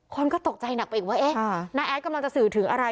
คนก็ตกใจหนักไปอีกว่าเอ๊ะน้าแอดกำลังจะสื่อถึงอะไร